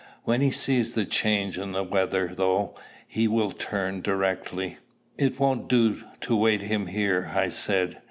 When he sees the change in the weather, though, he will turn directly." "It won't do to wait him here," I said.